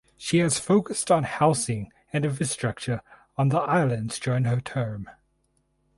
She has focused on housing and infrastructure on the islands during her term.